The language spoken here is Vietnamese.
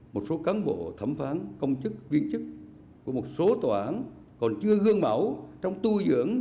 một số cán bộ thẩm phán công chức viên chức của một số tòa án còn chưa hương mẫu trong tu dưỡng